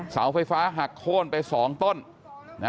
เสาไฟฟ้าหักโค้นไป๒ต้น